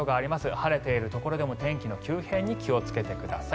晴れているところでも天気の急変に気をつけてください。